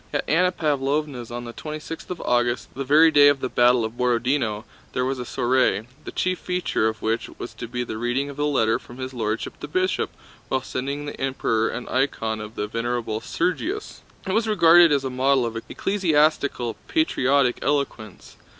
At Anna Pávlovna's on the twenty sixth of August, the very day of the battle of Borodinó, there was a soiree, the chief feature of which was to be the reading of a letter from His Lordship the Bishop when sending the Emperor an icon of the Venerable Sergius. It was regarded as a model of ecclesiastical, patriotic eloquence.